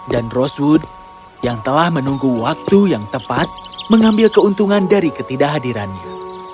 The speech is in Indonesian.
dan rosewood yang telah menunggu waktu yang tepat mengambil keuntungan dari ketidakhadirannya